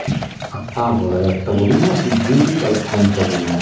a tavola e a tavolino si giudica il contadino.